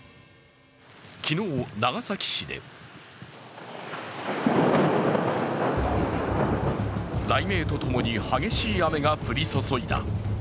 昨日、長崎市で雷鳴とともに激しい雨が降り注いだ。